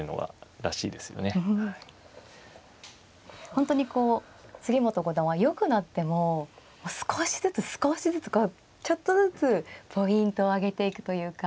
本当にこう杉本五段はよくなっても少しずつ少しずつこうちょっとずつポイントをあげていくというか。